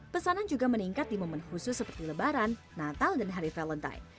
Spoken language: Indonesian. pesanan juga meningkat di momen khusus seperti lebaran natal dan hari valentine